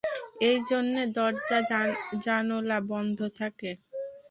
এই জন্যে দরজা-জানোলা বন্ধ থাকে।